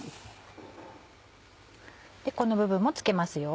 この部分も付けますよ。